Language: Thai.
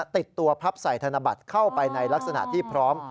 ติดตัวพับใส่ธนบัตรเข้าไปในลักษณะที่พร้อม